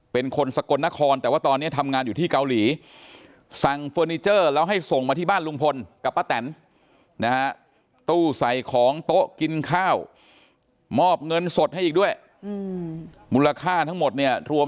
เป็นคนสกลนครแต่ว่าตอนนี้ทำงานอยู่ที่เกาหลีสั่งเฟอร์นิเจอร์แล้วให้ส่งมาที่บ้านลุงพลกับป้าแตนนะฮะตู้ใส่ของโต๊ะกินข้าวมอบเงินสดให้อีกด้วยมูลค่าทั้งหมดเนี่ยรวม